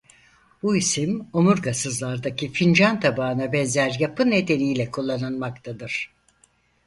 Bu isim omurgasızlardaki fincan tabağına benzer yapı nedeniyle kullanılmaktadır.